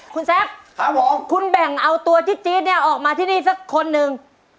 คุณแซคคุณแบ่งเอาตัวจี๊ดเนี่ยออกมาที่นี่สักคนหนึ่ง